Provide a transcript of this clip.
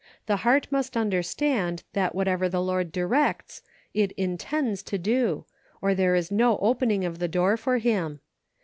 The heart must understand that whatever the Lord directs it intends to do, or there is no opening of the door for him.